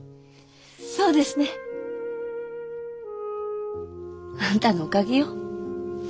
そうですね。あんたのおかげよ。